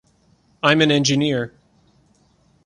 I’m an engineer.